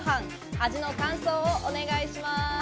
味の感想をお願いします。